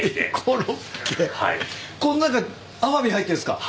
こん中アワビ入ってるんすか？